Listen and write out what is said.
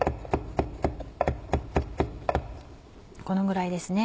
このぐらいですね。